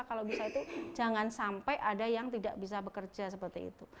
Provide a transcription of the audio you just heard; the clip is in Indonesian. kalau bisa itu jangan sampai ada yang tidak bisa bekerja seperti itu